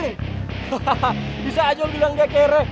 hahaha bisa aja lu bilang dia kere